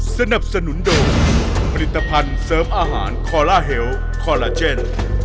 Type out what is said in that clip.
สนับสนุนโดยผลิตภัณฑ์เสริมอาหารคอลลาเฮลคอลลาเจน